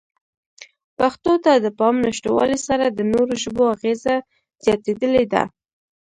پښتو ته د پام نشتوالې سره د نورو ژبو اغېزه زیاتېدلې ده.